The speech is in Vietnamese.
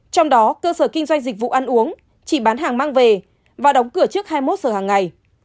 trong đó cơ sở kinh doanh dịch vụ ăn uống chỉ bán hàng mang về và đóng cửa trước hai mươi một giờ hàng ngày